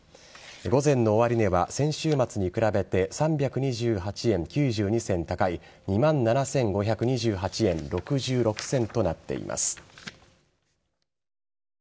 午前の終値は、先週末に比べて３２８円９２銭高い２万７５２８円６６銭となっています。